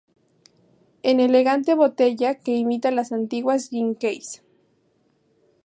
En elegante botella, que imita a las antiguas Gin case.